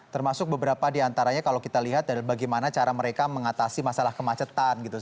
termasuk beberapa diantaranya kalau kita lihat bagaimana cara mereka mengatasi masalah kemacetan gitu